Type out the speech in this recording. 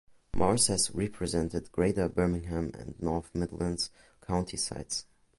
Morris has represented Greater Birmingham and North Midlands county sides.